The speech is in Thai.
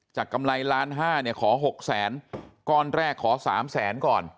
กำไรล้านห้าเนี่ยขอ๖แสนก้อนแรกขอ๓แสนก่อน